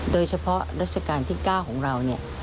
โดยเฉพาะรัชกาลที่๙ของเรา